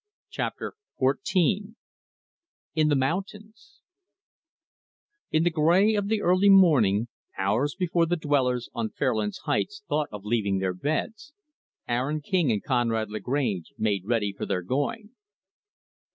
Chapter XIV In The Mountains In the gray of the early morning, hours before the dwellers on Fairlands Heights thought of leaving their beds, Aaron King and Conrad Lagrange made ready for their going.